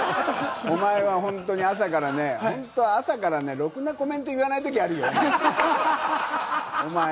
お前は本当に朝からね、本当、朝からね、ろくなコメント言わないときあるよ、おまえ。